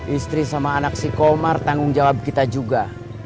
istri sama anak si komar tanggung jawab kita juga